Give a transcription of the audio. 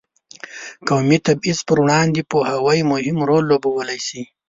د قومي تبعیض پر وړاندې پوهاوی مهم رول لوبولی شي.